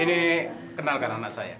ini kenalkan anak saya